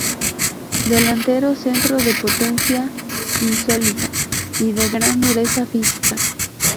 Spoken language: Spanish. Delantero centro de potencia insólita y de gran dureza física.